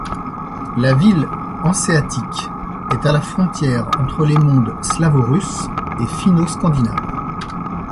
La ville hanséatique est à la frontière entre les mondes slavo-russe et finno-scandinaves.